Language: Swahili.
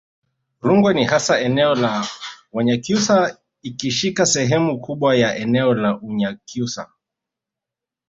Rungwe ni hasa eneo la Wanyakyusa ikishika sehemu kubwa ya eneo la Unyakyusa